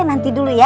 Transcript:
nanti dulu ya